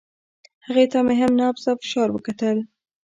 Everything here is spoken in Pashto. هغه مې هم نبض او فشار وکتل.